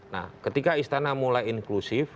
nah ketika istana mulai inklusif